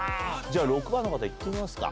じゃあ６番の方行ってみますか。